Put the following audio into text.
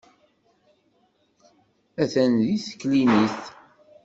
Atan deg teklinit.